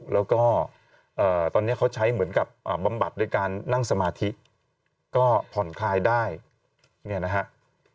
แล้วก็ตอนนี้เขาใช้เหมือนกับบำบัดด้วยการนั่งสมาธิก็ผ่อนคลายได้เนี่ยนะฮะ